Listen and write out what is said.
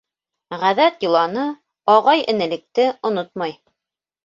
Ғәҙәт-йоланы, ағай-энелекте онотмай.